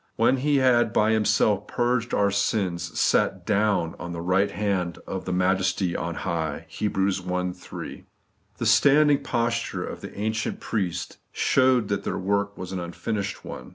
*When He had by Himself purged our sins, sat DOWN on the right hand of the Majesty on high ' (Heb. i. 3). The standing posture of the ancient priests showed that their work was an unfinished one.